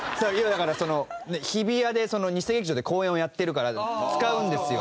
日比谷で、日生劇場で公演をやってるから使うんですよ。